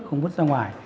không vứt ra ngoài